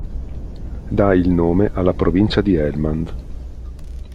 Dà il nome alla provincia di Helmand.